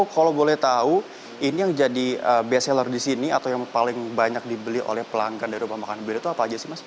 kalau boleh tahu ini yang jadi best seller di sini atau yang paling banyak dibeli oleh pelanggan dari rumah makan biru itu apa aja sih mas